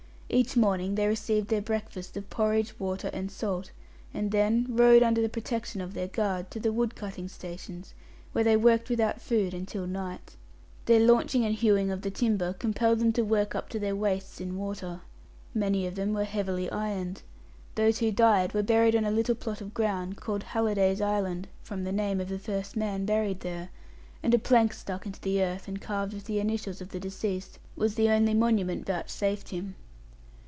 Each morning they received their breakfast of porridge, water, and salt, and then rowed, under the protection of their guard, to the wood cutting stations, where they worked without food, until night. The launching and hewing of the timber compelled them to work up to their waists in water. Many of them were heavily ironed. Those who died were buried on a little plot of ground, called Halliday's Island (from the name of the first man buried there), and a plank stuck into the earth, and carved with the initials of the deceased, was the only monument vouchsafed him.